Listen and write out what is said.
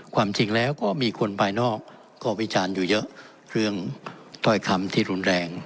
ความจริงแล้วก็มีคนภายนอกก็วิจารณ์อยู่เยอะเรื่องถ้อยคำที่รุนแรง